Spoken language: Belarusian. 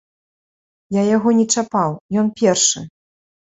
Я яго не чапаў, ён першы.